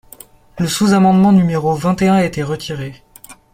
Le sous-amendement numéro vingt et un a été retiré.